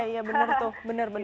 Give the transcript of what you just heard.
iya benar tuh